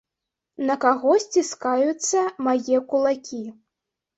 На каго сціскаюцца мае кулакі.